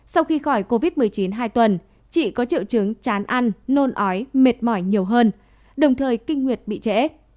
sau khi khỏi covid một mươi chín hai tuần chị có triệu chứng chán ăn nôn ói mệt mỏi nhiều hơn đồng thời kinh nguyệt bị trễ